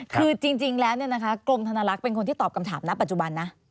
คือจริงแล้วกรมธนลักษณ์เป็นคนที่ตอบคำถามนะปัจจุบันนะ